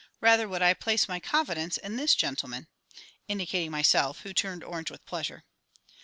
Rather would I place my confidence in this gentleman. [_Indicating myself, who turned orange with pleasure.